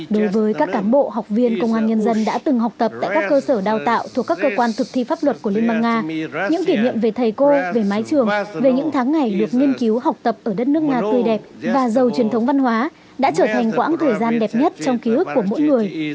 đối với các cán bộ học viên công an nhân dân đã từng học tập tại các cơ sở đào tạo thuộc các cơ quan thực thi pháp luật của liên bang nga những kỷ niệm về thầy cô về mái trường về những tháng ngày được nghiên cứu học tập ở đất nước nga tươi đẹp và giàu truyền thống văn hóa đã trở thành quãng thời gian đẹp nhất trong ký ức của mỗi người